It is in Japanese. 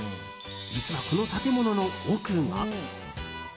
実は、この建物の奥が。